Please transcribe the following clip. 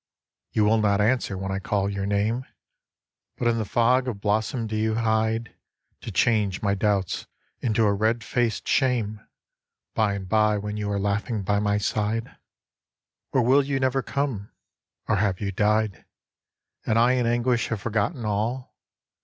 You will not answer when I call your name, But in the fog of blossom do you hide To change my doubts into a red faced shame By'n by when you are laughing by my side ? 44 THE BROKEN TRYST 45 Or will you never come, or have you died, And I in anguish have forgotten all